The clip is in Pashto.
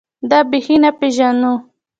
دا بېخي نه پېژنو.